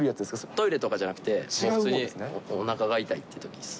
トイレとかじゃなくて、普通におなかが痛いってときです。